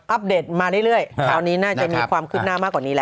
เดตมาเรื่อยคราวนี้น่าจะมีความคืบหน้ามากกว่านี้แล้ว